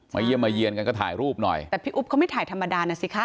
เยี่ยมมาเยี่ยนกันก็ถ่ายรูปหน่อยแต่พี่อุ๊บเขาไม่ถ่ายธรรมดานะสิคะ